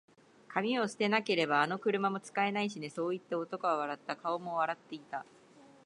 「紙を捨てなけれれば、あの車も使えないしね」そう言って、男は笑った。顔も笑っていた。